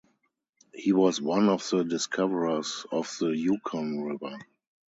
He was one of the discoverers of the Yukon River.